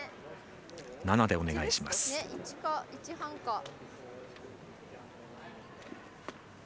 ７でお願いしますと。